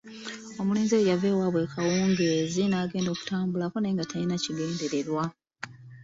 Omulenzi oyo yava ewaabwe n'agenda okutambulako akawungeezi naye nga talina kigendererwa.